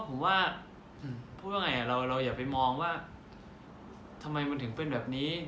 ผมว่าพูดว่าไงเราอย่าไปมองว่าทำไมมันถึงเป็นแบบนี้